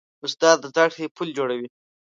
استاد د زدهکړې پل جوړوي.